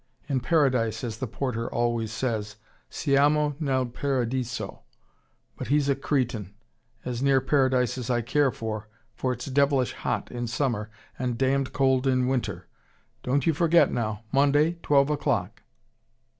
In Paradise, as the porter always says. Siamo nel paradiso. But he's a cretin. As near Paradise as I care for, for it's devilish hot in summer, and damned cold in winter. Don't you forget now Monday, twelve o'clock."